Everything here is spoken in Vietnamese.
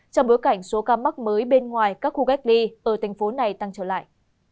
trong bối cảnh số ca mắc mới bên ngoài các khu cách ly ở thành phố này tăng trở lại